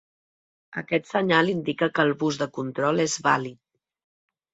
Aquest senyal indica que el bus de control és vàlid.